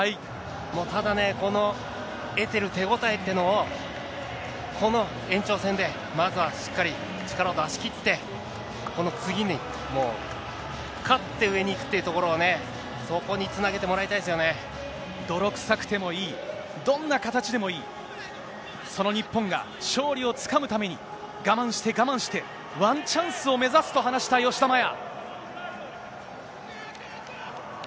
ただね、この得てる手応えっていうのを、この延長戦で、まずはしっかり力を出しきって、この次にもう、勝って上に行くっていうところをね、そこにつなげてもらいたいで泥臭くてもいい、どんな形でもいい、その日本が勝利をつかむために、我慢して、我慢して、ワンチャンスを目指すと話した吉田麻也。